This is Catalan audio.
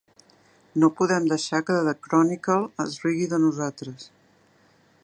No podem deixar que "The Chronicle" es rigui de nosaltres!